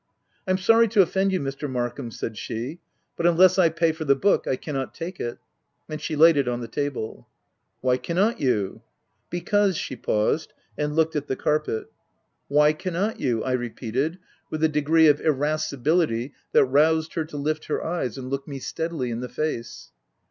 " Fm sorry to offend you Mr. Markham," said she, " but unless I pay for the book, I can i not take it." And she laid it on the table. u Why cannot you ?" u Because," — she paused, and looked at the carpet. " Why cannot you ?'M repeated with a degree of irascibility that roused her to lift her eyes, and look me steadily in the face.